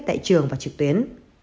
tại trường và trực tuyến